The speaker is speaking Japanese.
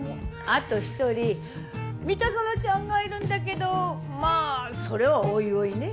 あと１人三田園ちゃんがいるんだけどまあそれはおいおいね。